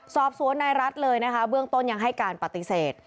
สอบสวนนายรัฐเลยนะคะเบื้องต้นยังให้การปฏิเสธ